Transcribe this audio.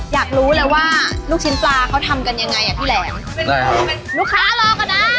อยากรู้เลยว่าลูกชิ้นปลาเขาทำกันยังไงอ่ะพี่แหลมเขาเป็นลูกค้ารอก็ได้